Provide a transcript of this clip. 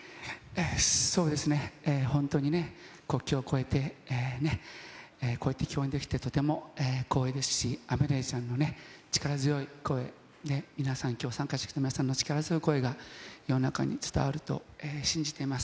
そうですね、本当にね、国境を越えてね、こうやって共演できて光栄ですし、アメリアちゃんの力強い声、皆さんきょう参加した皆さんの力強い声が世の中に伝わると信じてます。